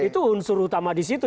itu unsur utama di situ